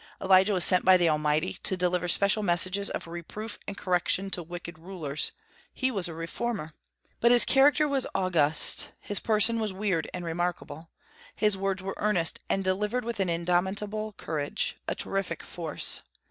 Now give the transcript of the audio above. Elijah was sent by the Almighty to deliver special messages of reproof and correction to wicked rulers; he was a reformer. But his character was august, his person was weird and remarkable, his words were earnest and delivered with an indomitable courage, a terrific force.